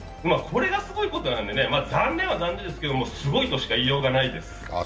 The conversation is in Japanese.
これがすごいことなんで、残念は残念ですけど「すごい」としか言いようがないです。